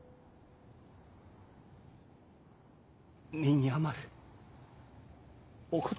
身に余るお言葉！